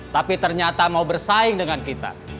tapi ternyata mau bersaing dengan kita